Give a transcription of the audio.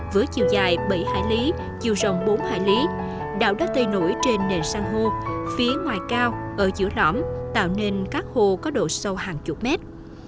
với chiều dài bảy hải lý chiều rộng bốn hải lý đảo đất tây nổi trên nền sang hô phía ngoài cao ở giữa lõm tạo nên các hồ có độ sâu hàng chục mét